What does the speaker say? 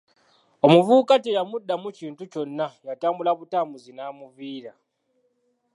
Omuvubuka teyamuddamu kintu kyonna yatambula butambuzi n’amuviira.